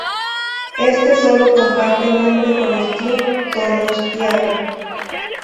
Éste sólo comparte nombre con el club donostiarra.